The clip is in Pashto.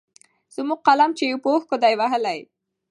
زموږ قلم چي يې په اوښکو دی وهلی